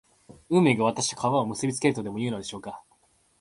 運命が私と川を結びつけるとでもいうのでしょうか